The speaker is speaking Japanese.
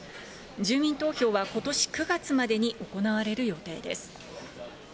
住民投票はことし９月まで行われる予定です。